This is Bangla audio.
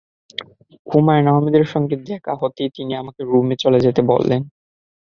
হুমায়ূন আহমেদের সঙ্গে দেখা হতেই তিনি আমাকে রুমে চলে যেতে বললেন।